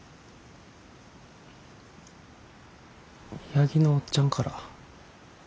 八木のおっちゃんから。